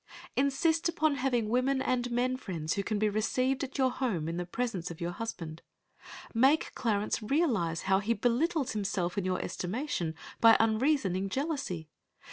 Insist upon having women and men friends who can be received at your home in presence of your husband. Make Clarence realize how he belittles himself in your estimation by unreasoning jealousy.